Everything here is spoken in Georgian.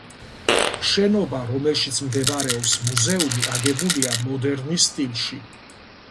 შენობა, რომელშიც მდებარეობს მუზეუმი, აგებულია მოდერნის სტილში.